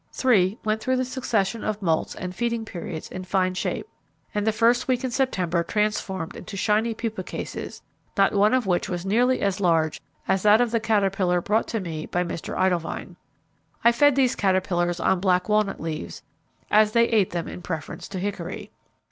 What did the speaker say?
Three went through the succession of moults and feeding periods in fine shape, and the first week in September transformed into shiny pupa cases, not one of which was nearly as large as that of the caterpillar brought to me by Mr. Idlewine. I fed these caterpillars on black walnut leaves, as they ate them in preference to hickory.